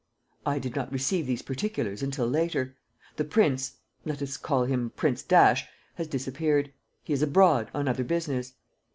"I did not receive these particulars until later. The prince let us call him Prince Dash has disappeared. He is abroad, on other business."